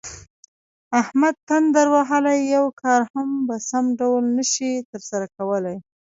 احمد تندر وهلی یو کار هم په سم ډول نشي ترسره کولی.